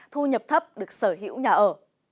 thu nhập thấp được sở hữu nhà ở